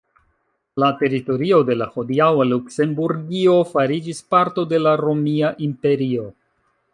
La teritorio de la hodiaŭa Luksemburgio fariĝis parto de la romia imperio.